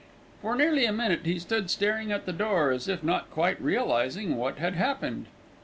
For nearly a minute he stood staring at the door, as if not quite realising what had happened.